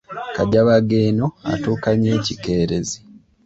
Kajabaga eno atuuka nnyo ekikeerezi.